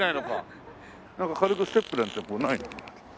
なんか軽くステップなんてこうないの？